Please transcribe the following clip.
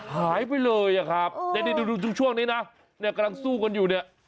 หายไปเลยอะครับนี่ดูช่วงนี้นะเนี่ยกำลังสู้กันอยู่เนี่ย